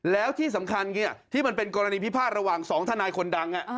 แล้วที่สำคัญที่มันเป็นกรณีพิพาทระหว่าง๒ทนายคนดัง